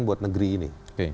buat negeri ini